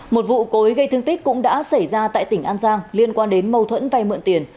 một vụ cối gây thương tích cũng đã xảy ra tại tỉnh an giang liên quan đến mâu thuẫn vay mượn tiền